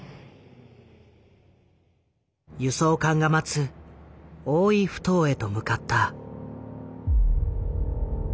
輸送艦が待つ大井ふ頭へと向かった。